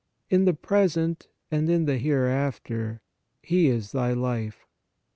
In the present, and in the hereafter, He is thy life."